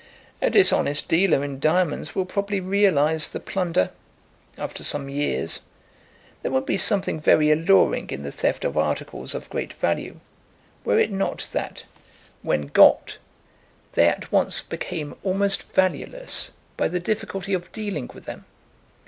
"A dishonest dealer in diamonds will probably realise the plunder, after some years. There would be something very alluring in the theft of articles of great value, were it not that, when got, they at once become almost valueless by the difficulty of dealing with them.